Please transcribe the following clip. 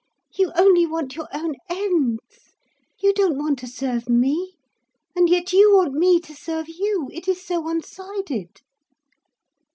You only want your own ends. You don't want to serve me, and yet you want me to serve you. It is so one sided!"